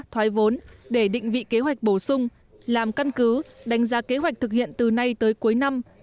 thoái vốn để định vị kế hoạch bổ sung làm căn cứ đánh giá kế hoạch thực hiện từ nay tới cuối năm